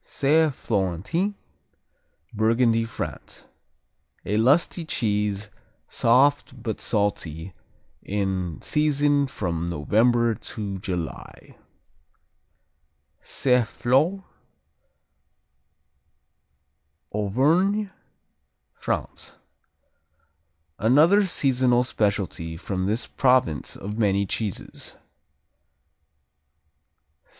Saint Florentin Burgundy, France A lusty cheese, soft but salty, in season from November to July. Saint Flour Auvergne, France Another seasonal specialty from this province of many cheeses.